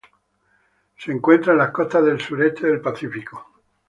Se encuentra en las costas del sureste del Pacífico.